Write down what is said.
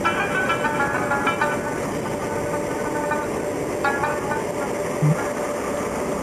ديارلس منفي يو؛ دوولس کېږي.